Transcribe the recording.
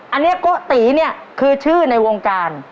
อันนี้โกะตีเนี่ยคือชื่อในวงการ